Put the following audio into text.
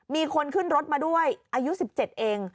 มีคนขึ้นรถมาด้วยอายุ๑๗เอง